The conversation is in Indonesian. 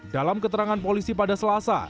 dalam keterangan polisi pada selasa